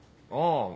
ああ。